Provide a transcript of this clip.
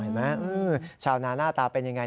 เห็นไหมชาวนาหน้าตาเป็นอย่างไร